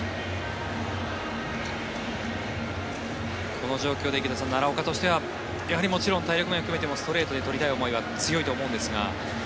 この状況で池田さん奈良岡としてはやはりもちろん体力面含めてもストレートで取りたい気持ちは強いと思うんですが。